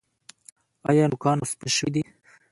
ایا نوکان مو سپین شوي دي؟